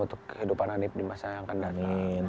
untuk kehidupan hanif di masa yang akan datang